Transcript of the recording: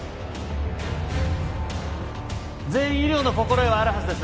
全員医療の心得はあるはずです